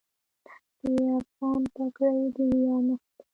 د افغان پګړۍ د ویاړ نښه ده.